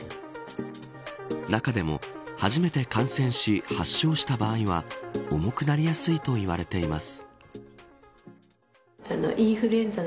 中でも、初めて感染し発症した場合は重くなりやすいといわれています。